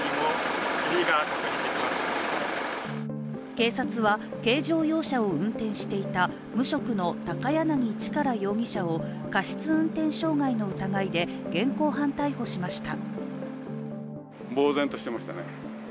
警察は軽乗用車を運転していた無職の高柳力容疑者を過失運転傷害の疑いで現行犯逮捕しました。